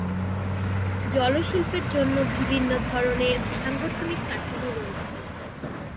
জল শিল্পের জন্য বিভিন্ন ধরনের সাংগঠনিক কাঠামো রয়েছে।